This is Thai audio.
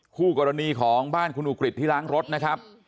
คู่กรณีของบ้านคุณอุกฤษที่ล้างรถนะครับ